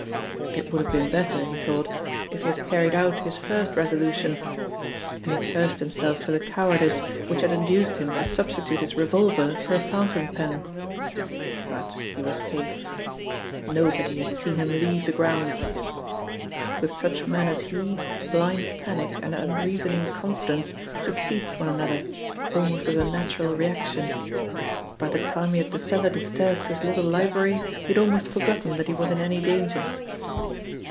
It would have been better, he thought, if he had carried out his first resolution, and he cursed himself for the cowardice which had induced him to substitute his revolver for a fountain pen. But he was safe. Nobody had seen him leave the grounds. With such men as he, blind panic and unreasoning confidence succeed one another, almost as a natural reaction. By the time he had descended his stairs to his little library he had almost forgotten that he was in any danger.